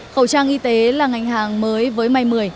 khẩu trang y tế là ngành hàng mới với may một mươi